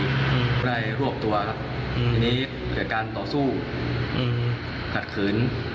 เขาได้ร่วบตัวทีนี้เกิดการต่อสู้ขัดเขืน